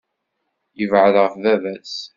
Yebɛed ɣef baba-s.